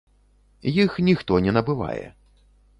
Іх ніхто не набывае.